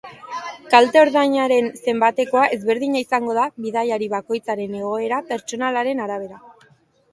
Kalte-ordainaren zenbatekoa ezberdina izango da bidaiari bakoitzaren egoera pertsonalaren arabera.